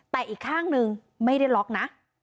แต่อีกข้างนึงไม่ได้ล็อกนะ